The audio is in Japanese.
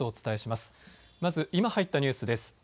まず今、入ったニュースです。